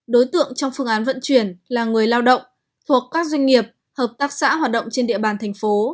đối tượng trong phương án vận chuyển là người lao động thuộc các doanh nghiệp hợp tác xã hoạt động trên địa bàn thành phố